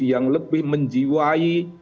yang lebih menjiwai